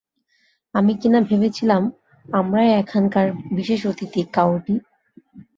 আমি কিনা ভেবেছিলাম আমরাই এখানকার বিশেষ অতিথি, কায়োটি।